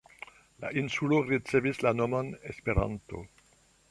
La insulo ricevis la nomon "Esperanto".